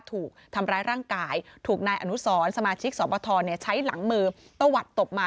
ถูกทำร้ายร่างกายถูกนายอนุสร